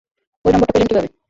এই নাম্বারটা পেলেন কীভাবে?